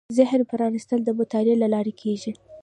ذهن پرانېستل د مطالعې له لارې کېږي